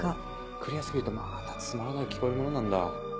クリア過ぎるとまたつまらなく聞こえるものなんだ。